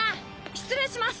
失礼します。